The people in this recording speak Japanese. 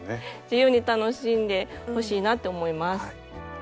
自由に楽しんでほしいなって思います。